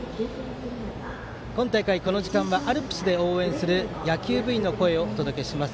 今大会、この時間はアルプスで応援する野球部員の声をお届けします。